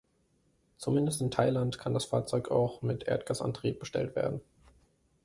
Zumindest in Thailand kann das Fahrzeug auch mit Erdgasantrieb bestellt werden.